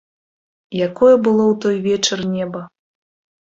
Якое было ў той вечар неба!